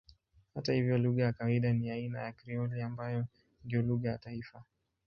Hata hivyo lugha ya kawaida ni aina ya Krioli ambayo ndiyo lugha ya taifa.